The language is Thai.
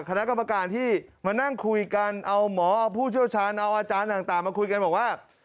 คณะกรรมการที่มานั่งคุยกันเอาหมอเอาผู้เชี่ยวชาญเอาอาจารย์ต่างมาคุยกันบอกว่า